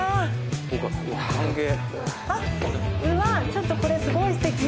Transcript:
ちょっとこれすごいすてき！